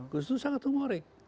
gus dur sangat humorik